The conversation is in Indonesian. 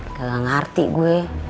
nggak ngerti gue